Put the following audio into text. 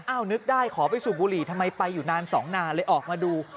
นึกได้ขอไปสูบบุหรี่ทำไมไปอยู่นานสองนานเลยออกมาดู